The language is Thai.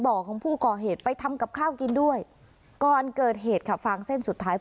ของผู้ก่อเหตุไปทำกับข้าวกินด้วยก่อนเกิดเหตุค่ะฟางเส้นสุดท้าย